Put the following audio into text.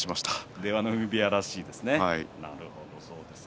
出羽海部屋らしいですね。